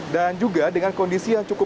dan juga dengan kondisi yang cukup